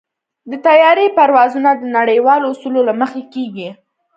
د طیارې پروازونه د نړیوالو اصولو له مخې کېږي.